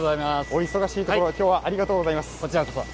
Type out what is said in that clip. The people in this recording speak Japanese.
お忙しいところ、きょうはありがとうございます。